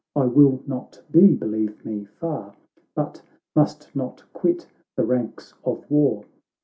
I will not be, believe me, far ; But must not quit the ranks of war.